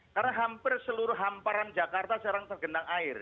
karena hampir seluruh hamparan jakarta sekarang tergendang air